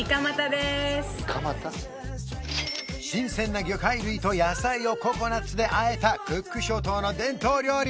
新鮮な魚介類と野菜をココナッツであえたクック諸島の伝統料理